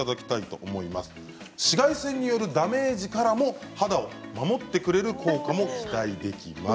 紫外線によるダメージからも肌を守ってくれる効果も期待できます。